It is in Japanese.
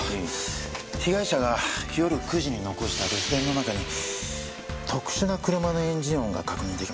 被害者が夜９時に残した留守電の中に特殊な車のエンジン音が確認できました。